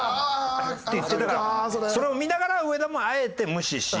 だからそれを見ながら上田もあえて無視し。